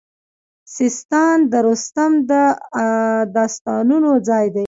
سیستان د رستم د داستانونو ځای دی